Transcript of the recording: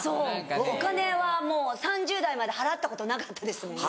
お金はもう３０代まで払ったことなかったですもんね。